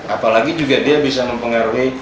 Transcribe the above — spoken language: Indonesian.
apalagi juga dia bisa mempengaruhi